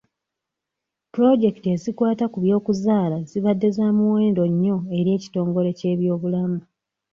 Pulojekiti ezikwata ku by'okuzaala zibadde za muwendo nnyo eri ekitingole ky'ebyobulamu.